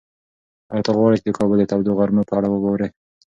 ایا ته غواړې چې د کابل د تودو غرمو په اړه واورې؟